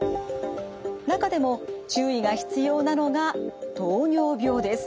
中でも注意が必要なのが糖尿病です。